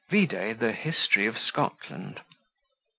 '" (VIDE the HISTORY OF SCOTLAND).